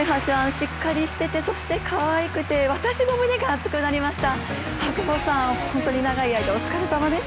しっかりしててそしてかわいくて、私も胸が熱くなりました。